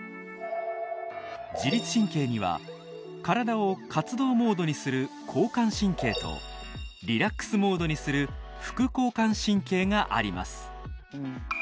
自律神経には体を活動モードにする交感神経とリラックスモードにする副交感神経があります。